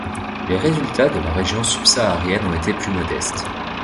Les résultats de la région subsaharienne ont été plus modestes.